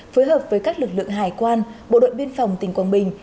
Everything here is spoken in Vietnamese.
phối hợp với các lực lượng hải quan bộ đội biên phòng tỉnh quảng bình